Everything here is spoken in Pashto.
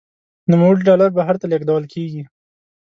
نوموړي ډالر بهر ته لیږدول کیږي.